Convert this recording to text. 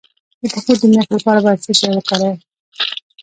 د پښو د میخ لپاره باید څه شی وکاروم؟